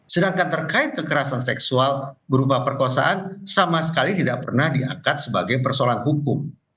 sedangkan terkait kekerasan seksual berupa perkosaan sama sekali tidak pernah diangkat sebagai persoalan hukum